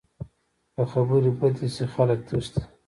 که خبرې بدې شي، خلک تښتي